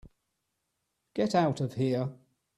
Get out of here.